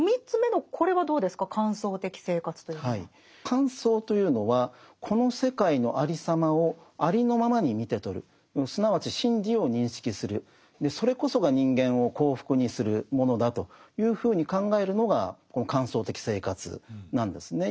観想というのはこの世界のありさまをありのままに見て取るすなわち真理を認識するそれこそが人間を幸福にするものだというふうに考えるのがこの観想的生活なんですね。